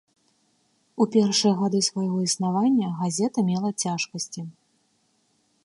У першыя гады свайго існавання газета мела цяжкасці.